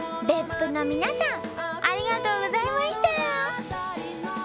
別府の皆さんありがとうございました！